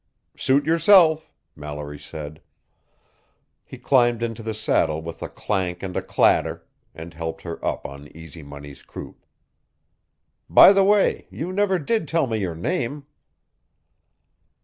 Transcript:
"Suit yourself," Mallory said. He climbed into the saddle with a clank and a clatter, and helped her up on Easy Money's croup. "By the way, you never did tell me your name."